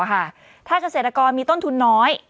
ค่ะถ้ากระเศนกรมีต้นทุนน้อย